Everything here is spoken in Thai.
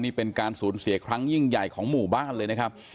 นี่เป็นการสูญเสียครั้งยิ่งใหญ่ของหมู่บ้านเลยนะครับ